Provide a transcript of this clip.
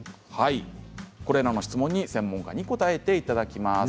これらの質問に専門家に答えていただきます。